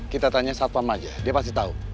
kita tanya satpam aja dia pasti tahu